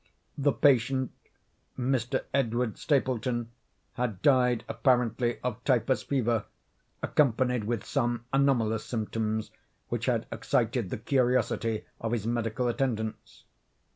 The patient, Mr. Edward Stapleton, had died, apparently of typhus fever, accompanied with some anomalous symptoms which had excited the curiosity of his medical attendants.